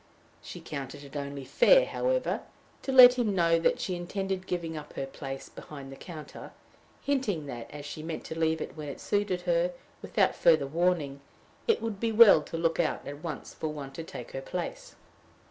She counted it only fair, however, to let him know that she intended giving up her place behind the counter, hinting that, as she meant to leave when it suited her without further warning, it would be well to look out at once for one to take her place.